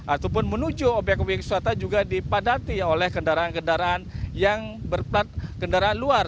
ataupun menuju obyek obyek wisata juga dipadati oleh kendaraan kendaraan yang berplat kendaraan luar